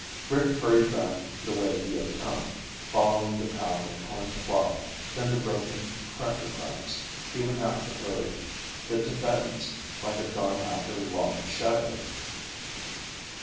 Rick hurried back the way he had come, following the path of torn cloth, then the broken cracker crumbs. He would have to hurry. The Tibetans might have gone after Long Shadow!